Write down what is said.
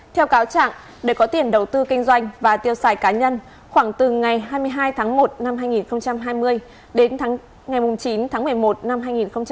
theo cáo trạng để có tiền đầu tư kinh doanh và tiêu xài cá nhân khoảng từ ngày hai mươi hai tháng một năm hai nghìn hai mươi đến ngày chín tháng một mươi một năm hai nghìn hai mươi